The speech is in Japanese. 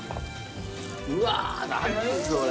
うわ何それ。